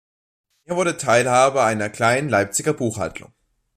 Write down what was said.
Er wurde Teilhaber einer kleinen Leipziger Buchhandlung.